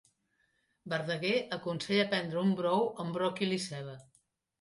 Verdaguer aconsella prendre un brou amb bròquil i ceba.